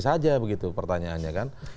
saja begitu pertanyaannya kan